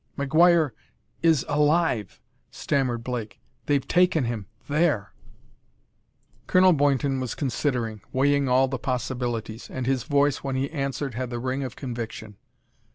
"McGuire is alive!" stammered Blake. "They've taken him there!" Colonel Boynton was considering, weighing all the possibilities, and his voice, when he answered, had the ring of conviction.